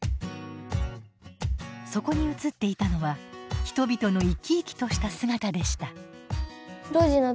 そこに写っていたのは人々の生き生きとした姿でした。